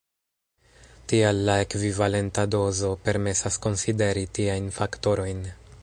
Tial la ekvivalenta dozo permesas konsideri tiajn faktorojn.